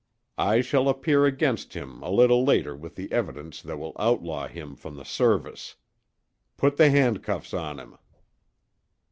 I shall appear against him a little later with the evidence that will outlaw him from the service. Put the handcuffs on him!"